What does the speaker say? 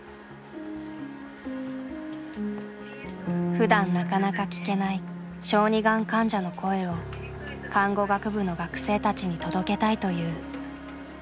ふだんなかなか聞けない小児がん患者の声を看護学部の学生たちに届けたいという。